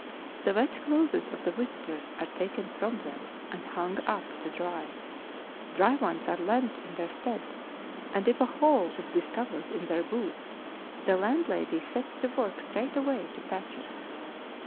The wet clothes of the visitors are taken from them and hung up to dr}'. Dry ones are lent in their stead, and if a hole is discovered in their boots the landlady sets to work straightway to patch it.